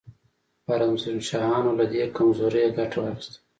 خوارزم شاهانو له دې کمزورۍ ګټه واخیسته.